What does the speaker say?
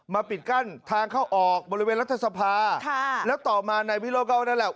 มาปิดกั้นทางเข้าออกบริเวณรัฐสภาแล้วต่อมาในวิโลเกาะนั้นแหละ